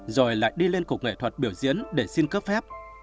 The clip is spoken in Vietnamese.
rồi lại đi lên cục nghệ thuật biểu diễn để xin cấp phép